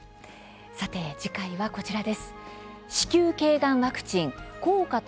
さて、次回はこちらです。